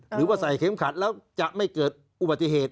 หรือว่าใส่เข็มขัดแล้วจะไม่เกิดอุบัติเหตุ